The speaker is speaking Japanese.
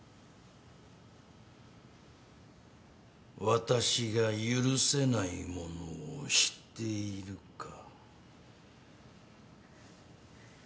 私が許せないものを知っているか？